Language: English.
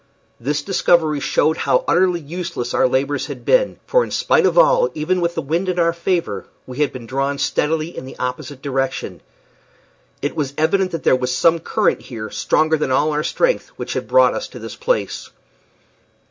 This discovery showed how utterly useless our labors had been; for in spite of all, even with the wind in our favor, we had been drawn steadily in an opposite direction. It was evident that there was some current here, stronger than all our strength, which had brought us to this place.